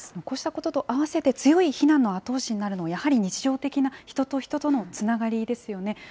こうしたことをあわせて、強い避難の後押しになるのは、やはり日常的な人と人とのつながりですよね。